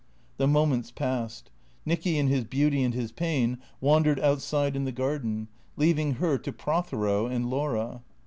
The moments passed. Nicky in his beauty and his pain wan dered outside in the garden, leaving her to Prothero and Laura.